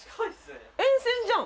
沿線じゃん。